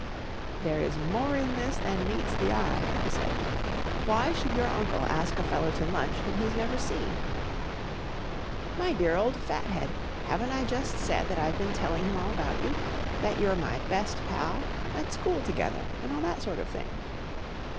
11 There is more in this than meets the eye/ 1 I said, Why should your uncle ask a fellow to lunch whom he's never seen ?" ,f My dear old fathead, haven't I just said that I've been telling him all about you — that you're my best pa! — at school together, and all that sort of thing